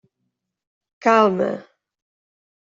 Calma.